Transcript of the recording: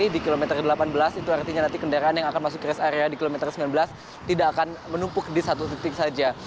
di kilometer delapan belas itu artinya nanti kendaraan yang akan masuk rest area di kilometer sembilan belas tidak akan menumpuk di satu titik saja